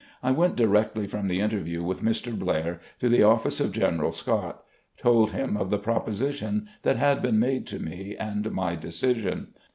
I went directly from the interview with Mr. Blair to the office of General Scott ; told him of the proposition that had been made to me, and my decision.